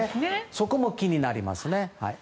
そこも気になりますね。